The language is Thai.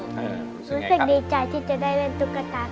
รู้สึกดีใจที่จะได้เล่นตุ๊กกระตาตามพี่กัท